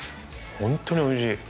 本当においしい。